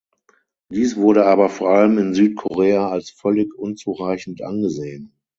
Dies wurde aber vor allem in Südkorea als völlig unzureichend angesehen.